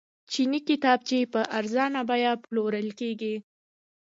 چیني کتابچې په ارزانه بیه پلورل کیږي.